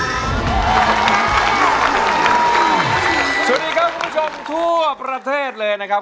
สวัสดีครับคุณผู้ชมทั่วประเทศเลยนะครับ